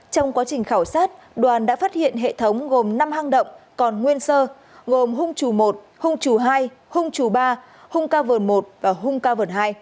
trong quá trình khảo sát đoàn đã phát hiện hệ thống gồm năm hang động còn nguyên sơ gồm hung trù một hung trù hai hung trù ba hung ca vườn một và hung ca vườn hai